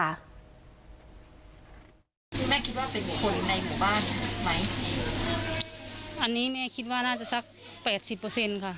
คุณแม่คิดว่าเป็นบุคคลในหมู่บ้านไหมอันนี้แม่คิดว่าน่าจะสักแปดสิบเปอร์เซ็นต์ค่ะ